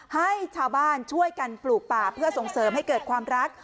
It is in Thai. ให้ชาวบ้านช่วยกันปลูกป่าเพื่อส่งเสริมให้เกิดความรัก